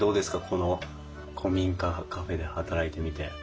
この古民家カフェで働いてみて。